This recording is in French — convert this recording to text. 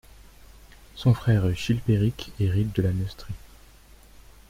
Son frère Chilpéric hérite de la Neustrie.